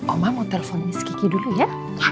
oma mau telepon miss kiki dulu ya